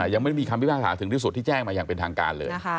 ยังไม่มีคำพิพากษาถึงที่สุดที่แจ้งมาอย่างเป็นทางการเลย